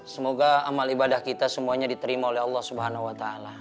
semoga amal ibadah kita semuanya diterima oleh allah swt